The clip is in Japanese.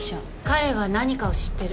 彼は何かを知ってる。